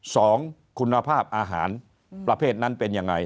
สองคุณภาพอาหารประเภทนั้นเป็นยังไง